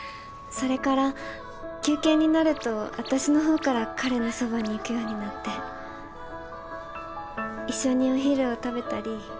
それから休憩になると私のほうから彼のそばに行くようになって一緒にお昼を食べたり。